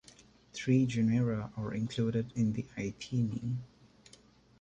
Three genera are included in the Aythyini.